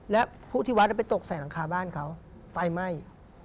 และผู้ที่วัดไปตกใส่หลังคาบ้านเขาไฟไหม้